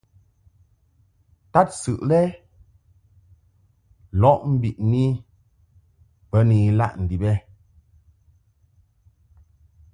Tadsɨʼ lɛ lɔʼ mbiʼni bə ni ilaʼ ndib ɛ ?